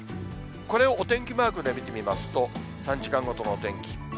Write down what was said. これをお天気マークで見てみますと、３時間ごとのお天気。